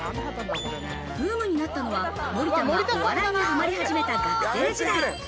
ブームになったのは、森田が、お笑いにはまり始めた学生時代。